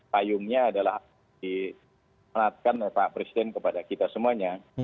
payungnya adalah diperatkan oleh pak presiden kepada kita semuanya